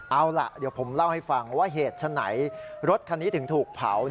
เอาล่ะเดี๋ยวผมเล่าให้ฟังว่าเหตุฉะไหนรถคันนี้ถึงถูกเผา